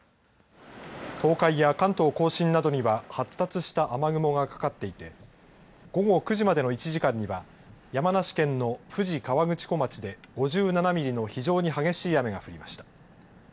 東海や関東甲信などには発達した雨雲がかかっていて午後９時までの１時間には山梨県の富士河口湖町で５７ミリの非常に激しい雨が降りました。